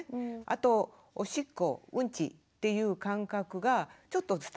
あとおしっこうんちっていう感覚がちょっと伝えることができる。